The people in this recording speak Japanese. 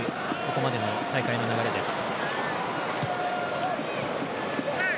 ここまでの大会の流れです。